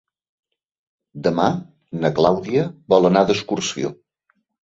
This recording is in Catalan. Demà na Clàudia vol anar d'excursió.